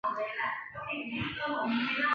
丰县境内的丰沛运河段可通航。